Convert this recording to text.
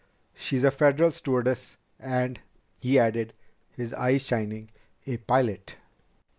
She's a Federal stewardess and " he added, his eyes shining, "a pilot."